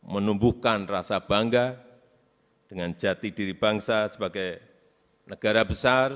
menumbuhkan rasa bangga dengan jati diri bangsa sebagai negara besar